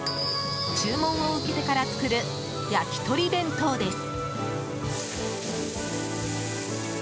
注文を受けてから作るやきとり弁当です。